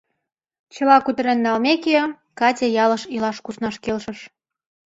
Чыла кутырен налмеке, Катя ялыш илаш куснаш келшыш.